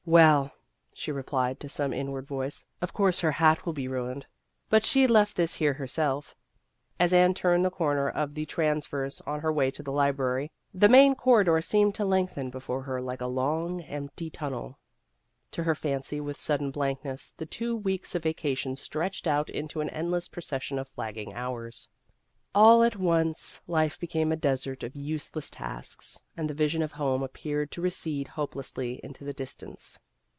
" Well," she replied to some inward voice, " of course, her hat will be ruined. But she left this here herself." As Anne turned the corner of the trans A Case of Incompatibility 129 verse on her way to the library, the main corridor seemed to lengthen before her like a long empty tunnel. To her fancy with sudden blankness, the two weeks of vacation stretched out into an endless procession of flagging hours. All at once, life became a desert of useless tasks, and the vision of home appeared to recede hopelessly into the distance.